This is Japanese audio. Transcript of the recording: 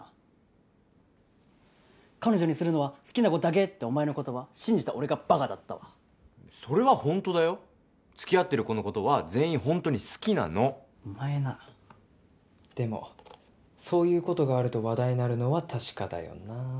「彼女にするのは好きな子だけ」ってお前の言葉信じた俺がバカだったわそれはほんとだよつきあってる子のことは全員ほんとに好きなのお前なでもそういうことがあると話題になるのは確かだよな